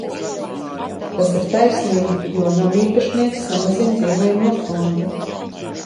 Tas ir taisnīgi, jo namīpašnieks samazina dzīvojamo fondu.